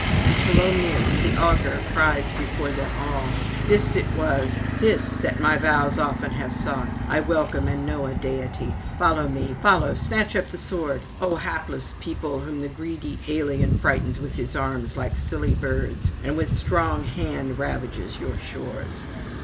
And Tolumnius the augur cries before them all: 'This it was, this, that my vows often have sought; I welcome and know a deity; [261 294]follow me, follow, snatch up the sword, O hapless people whom the greedy alien frightens with his arms like silly birds, and with strong hand ravages your shores.